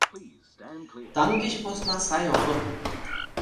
Таҥ деч посна сай огыл.